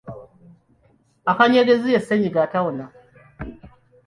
Akanyegezi ye ssenyiga atawona.